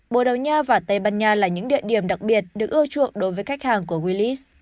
bồ đào nha và tây ban nha là những địa điểm đặc biệt được ưa chuộng đối với khách hàng của willias